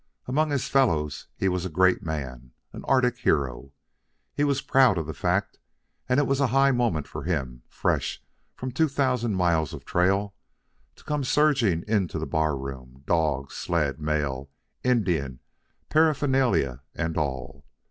Among his fellows he was a great man, an Arctic hero. He was proud of the fact, and it was a high moment for him, fresh from two thousand miles of trail, to come surging into that bar room, dogs, sled, mail, Indian, paraphernalia, and all.